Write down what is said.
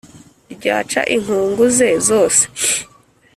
ryaca inkungu ze zose